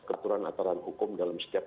aturan aturan hukum dalam setiap